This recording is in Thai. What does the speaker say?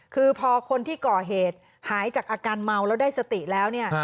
คือพอคนที่ก่อเหตุหายจากอาการเมาแล้วได้สติแล้วเนี่ย